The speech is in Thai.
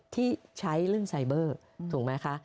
ที่ใช้เรื่องไซเบอร์ถูกไหมคะ